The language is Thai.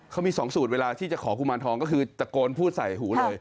เขามี๒สูตรเวลาที่จะขอกุมารทองก็คือตะโกนพูดใส่หูเลย